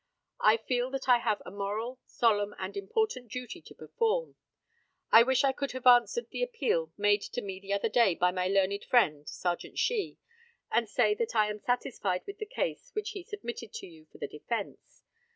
I feel that I have a moral, solemn, and important duty to perform. I wish I could have answered the appeal made to me the other day by my learned friend (Serjeant Shee), and say that I am satisfied with the case which he submitted to you for the defence.